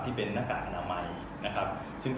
ที่เป็นหน้ากากอนามัยนะครับ